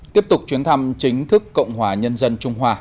tiếp tục chuyến thăm chính thức cộng hòa nhân dân trung hoa